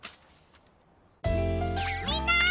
みんな！